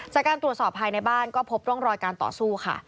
จากการตรวจสอบภายในบ้านก็พบร่องรอยการต่อสู้ค่ะ